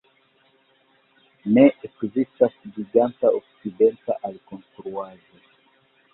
Ne ekzistis giganta okcidenta alkonstruaĵo.